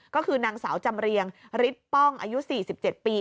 ก็คือนางสาวจำเรียงฤทธิ์ป้องอายุ๔๗ปี